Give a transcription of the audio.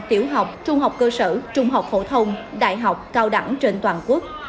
tiểu học trung học cơ sở trung học phổ thông đại học cao đẳng trên toàn quốc